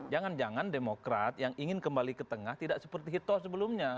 jangan jangan demokrat yang ingin kembali ke tengah tidak seperti hitoh sebelumnya